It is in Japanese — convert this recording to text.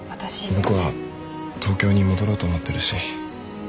僕は東京に戻ろうと思ってるし。